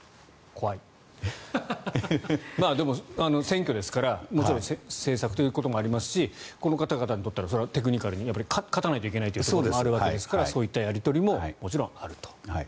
でも選挙ですからもちろん政策ということもありますしこの方々にとってはテクニカルに勝たないといけないということもあるわけですからそういったやり取りももちろんあると。